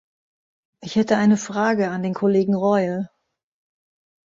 Ich hätte eine Frage an den Kollegen Reul.